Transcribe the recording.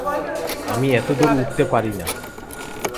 আমি এতদূর উড়তে পারি না।